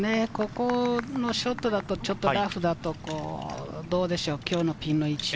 ここのショットだと、ちょっとラフだと、どうでしょう、今日のピンの位置。